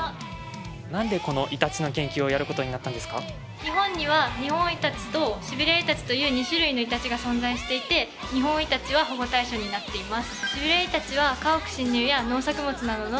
日本にはニホンイタチとシベリアイタチの２種類のイタチが存在していてニホンイタチは保護対象になっています。